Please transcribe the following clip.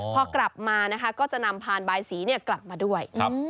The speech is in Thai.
พอกลับมาก็จะนำพานใบสีกลับมาด้วย